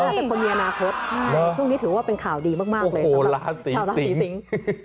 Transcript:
เป็นคนมีอนาคตช่วงนี้ถือว่าเป็นข่าวดีมากเลยสำหรับชาวราศีสิง